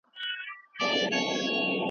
که سپورت وي نو وجود نه سستیږي.